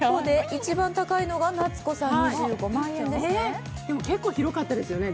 一番高いのが夏子さん、２５万円ですね。